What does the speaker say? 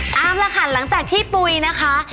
เอาละค่ะหลังจากที่ปุ๋ยนะคะ